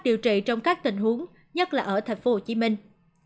điều trị trong các tình huống nhất là ở thành phố hồ chí minh